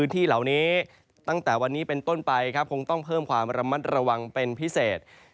ที่เหล่านี้ตั้งแต่วันนี้เป็นต้นไปครับคงต้องเพิ่มความระมัดระวังเป็นพิเศษ